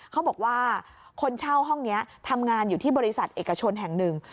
เขาบอกว่าคนเช่าห้องนี้ทำงานอยู่ที่บริษัทเอกชนแห่งหนึ่ง